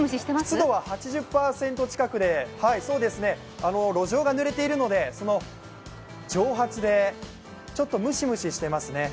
湿度は８０％近くで、路上がぬれているのでその蒸発で、ちょっとムシムシしていますね。